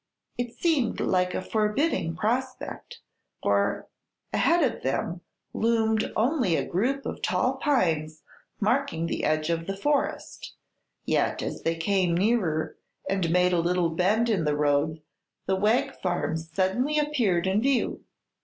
It seemed like a forbidding prospect, for ahead of them loomed only a group of tall pines marking the edge of the forest, yet as they came nearer and made a little bend in the road the Wegg farm suddenly appeared in view.